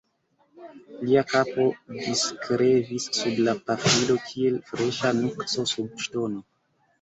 Lia kapo diskrevis sub la pafilo kiel freŝa nukso sub ŝtono.